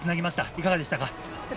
いかがでしたか？